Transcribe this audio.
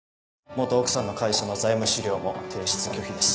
元奥さんの会社の財務資料も提出拒否です。